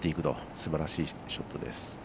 すばらしいショットです。